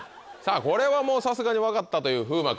これはもうさすがに分かったという風磨君。